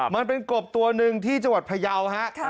มันเป็นกบตัวหนึ่งที่จังหวัดพยาวฮะ